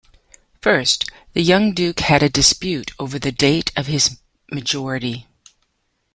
First, the young duke had a dispute over the date of his majority.